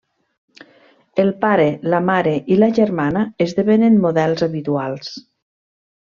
El pare, la mare i la germana esdevenen models habituals.